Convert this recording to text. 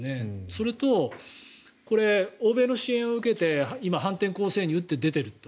それと、欧米の支援を受けて今、反転攻勢に打って出ていると。